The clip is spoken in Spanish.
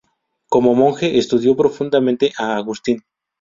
Como monje, estudió profundamente a Agustín.